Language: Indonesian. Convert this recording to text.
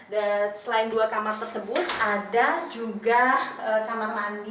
dan selain dua kamar tersebut ada juga kamar mandi